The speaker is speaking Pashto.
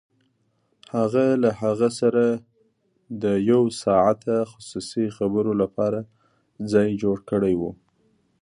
هغه له هغه سره د يو ساعته خصوصي خبرو لپاره ځای جوړ کړی و.